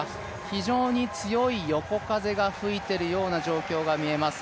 非常に強い横風が吹いているような状況が見えます。